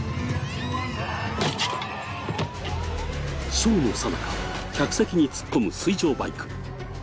ショーのさなか、客席に突っ込む水上バイク。